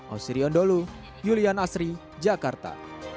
ausri ondolu julian asri jakarta